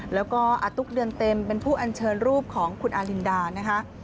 แล้วก็อาตุ๊กเดือนเต็มเป็นผู้อัญเชิญรูปของคุณอารินดานะคะ